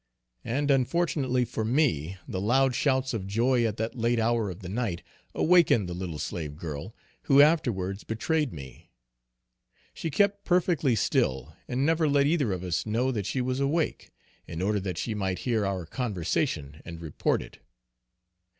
And unfortunately for me, the loud shouts of joy at that late hour of the night, awakened the little slave girl, who afterwards betrayed me. She kept perfectly still, and never let either of us know that she was awake, in order that she might hear our conversation and report it.